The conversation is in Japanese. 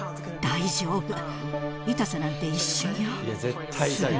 大丈夫、痛さなんて一瞬よ。